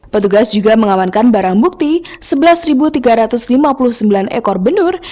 petugas juga mengamankan barang bukti sebelas tiga ratus lima puluh sembilan ekor benur